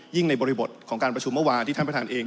ในบริบทของการประชุมเมื่อวานที่ท่านประธานเอง